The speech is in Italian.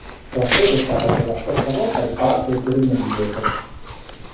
La sede è stata per la terza volta, il Palazzo del Turismo di Jesolo.